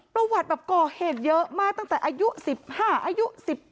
ประวัติแบบก่อเหตุเยอะมากตั้งแต่อายุ๑๕อายุ๑๘